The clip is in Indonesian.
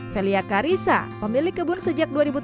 velia karisa pemilik kebun sejak dua ribu tujuh belas